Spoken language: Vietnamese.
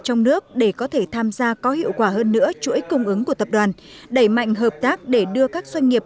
trong nước để có thể tham gia có hiệu quả hơn nữa chuỗi cung ứng của tập đoàn đẩy mạnh hợp tác để đưa các doanh nghiệp